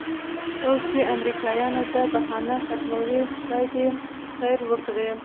اوس چې امریکایان دا بهانه ختموي خدای دې خیر ورکړي.